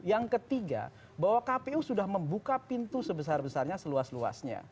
yang ketiga bahwa kpu sudah membuka pintu sebesar besarnya seluas luasnya